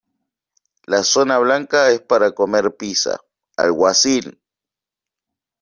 La zona blanca es para comer pizza ¡ Alguacil!